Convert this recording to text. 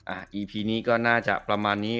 อีพีนี้ก็น่าจะประมาณนี้